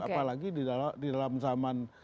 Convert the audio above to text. apalagi di dalam zaman